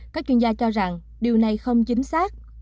các chuyên gia cho rằng điều này không chính xác